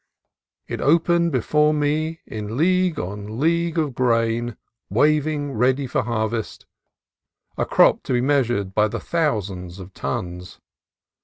It opened before me in league on league of grain, waving ready for harvest, a crop to be measured by the thousands of tons.